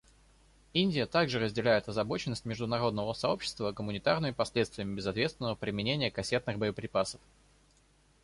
Индия также разделяет озабоченность международного сообщества гуманитарными последствиями безответственного применения кассетных боеприпасов.